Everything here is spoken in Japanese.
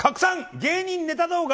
芸人ネタ動画！